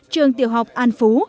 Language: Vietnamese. trường tiểu học an phú